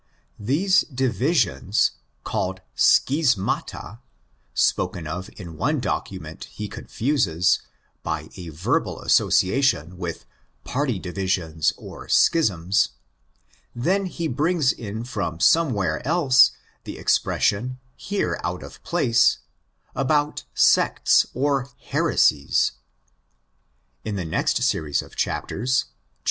The "" divisions"' (called σχίσματα) spoken of in one document he confuses, by a verbal association, with party divisions or '"'schisms"' (cf. 1. 10); then he brings in from somewhere else the expression, here out of place, about sects or '' heresies."' In the next series of chapters (xil.